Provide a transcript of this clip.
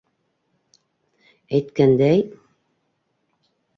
Әйткәндәй...